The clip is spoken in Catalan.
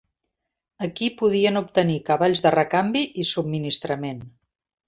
Aquí podien obtenir cavalls de recanvi i subministrament.